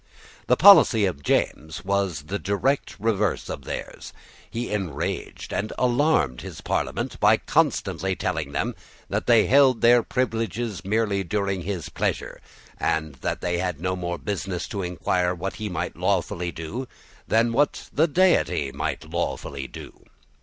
The policy of James was the direct reverse of theirs. He enraged and alarmed his Parliament by constantly telling them that they held their privileges merely during his pleasure and that they had no more business to inquire what he might lawfully do than what the Deity might lawfully do.